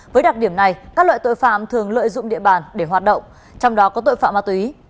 với đặc điểm này các loại tội phạm thường lợi dụng địa bàn để hoạt động trong đó có tội phạm ma túy